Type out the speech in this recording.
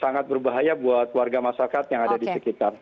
sangat berbahaya buat warga masyarakat yang ada di sekitar